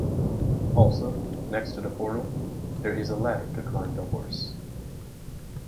Also, next to the portal, there is a ladder to climb the horse.